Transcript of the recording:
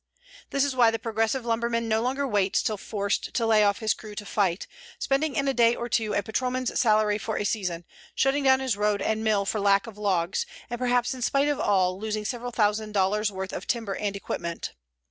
This is why the progressive lumberman no longer waits till forced to layoff his crew to fight, spending in a day or two a patrolman's salary for a season, shutting down his road and mill for lack of logs, and perhaps in spite of all losing several thousand dollars' worth of timber and equipment.